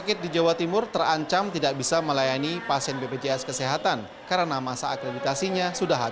kembali ke ada